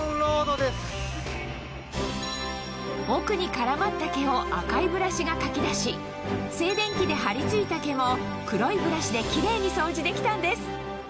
奥に絡まった毛を赤いブラシがかき出し静電気で張り付いた毛も黒いブラシでキレイに掃除できたんです